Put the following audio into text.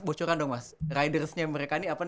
bocoran dong mas ridersnya mereka ini apa